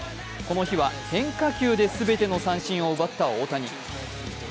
この日は変化球で全ての三振を奪った大谷。